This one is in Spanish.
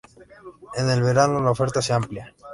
En el verano la oferta se amplia.